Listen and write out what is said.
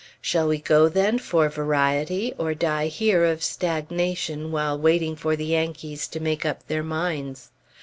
Shall we go, then, for variety, or die here of stagnation while waiting for the Yankees to make up their minds?